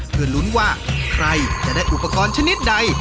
เพื่อลุ้นว่าใครจะได้อุปกรณ์ชนิดใด